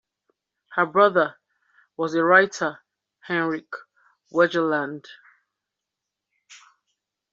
Her brother, was the writer Henrik Wergeland.